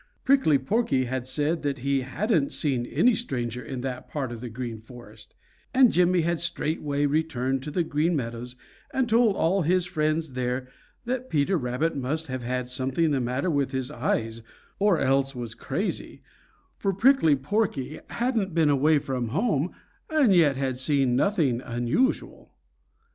Prickly Porky had said that he hadn't seen any stranger in that part of the Green Forest, and Jimmy had straightway returned to the Green Meadows and told all his friends there that Peter Rabbit must have had something the matter with his eyes or else was crazy, for Prickly Porky hadn't been away from home and yet had seen nothing unusual.